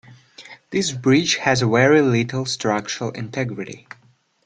This bridge has very little structural integrity.